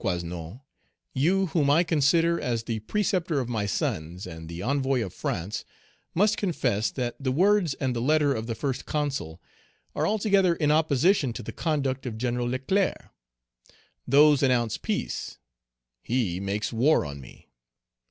Coasnon, you, whom I consider as the preceptor of my sons, and the envoy of France, must confess that the words and the letter of the First Consul are altogether in opposition to the conduct of General Leclerc; those announce peace, he makes war on me.